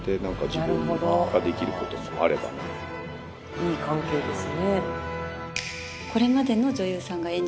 いい関係ですね。